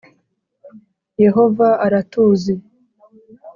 Yehova aratuzi